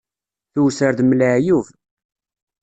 Tewser d mm laɛyub.